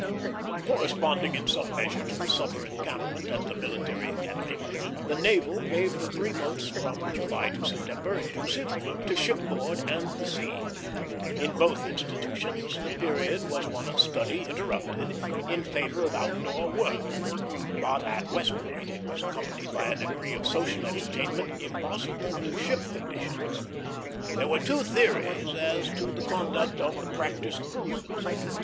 Corresponding in some measure to the summer encampment at the Military Academy, the Naval gave the three months from July to September, inclusive, to shipboard and the sea. In both institutions the period was one of study interrupted, in favor of out door work; but at West Point it was accompanied by a degree of social entertainment impossible to ship conditions. There were two theories as to the conduct of the practice cruises.